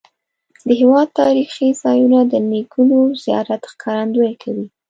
د هېواد تاریخي ځایونه د نیکونو زیار ښکارندویي کوي.